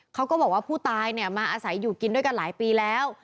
เขาก็บอกว่าผู้ตายเนี่ยมาอาศัยอยู่กินด้วยกันหลายปีแล้ว